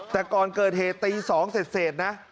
แต่ก่อนเกิดเหตุตี๒เสร็จนะ